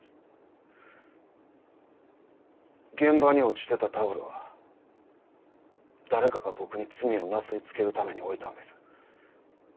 現場に落ちてたタオルは誰かが僕に罪をなすりつけるために置いたんです。